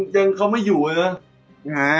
ยังเขาไม่อยู่อะ